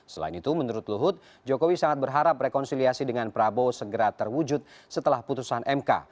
selain itu menurut luhut jokowi sangat berharap rekonsiliasi dengan prabowo segera terwujud setelah putusan mk